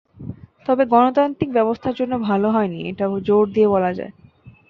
তবে গণতান্ত্রিক ব্যবস্থার জন্য ভালো হয়নি, এটা জোর দিয়ে বলা যায়।